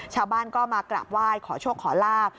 ชาวบ้านก็มากราบไหว้ขอโชคขอลาบ